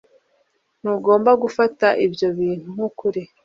Ntugomba gufata ibyo bintu nkukuri